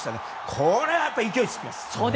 これは勢いつきます！